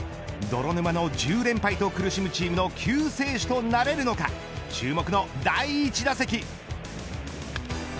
泥沼の１０連敗と苦しむチームの救世主となれるのか注目の第１打席。